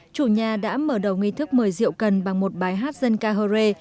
chủ nhà đã mở đầu nghi thức mời rượu cần bằng một bài hát dân ca hơ rê